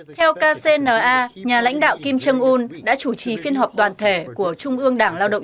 theo kcna nhà lãnh đạo kim trương un đã chủ trì phiên họp toàn thể của trung ương đảng lao động